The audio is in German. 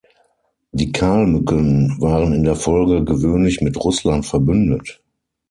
Die Kalmücken waren in der Folge gewöhnlich mit Russland verbündet.